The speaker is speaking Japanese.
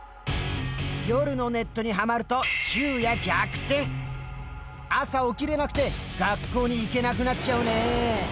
夜のネットにはまると朝起きれなくて学校に行けなくなっちゃうね！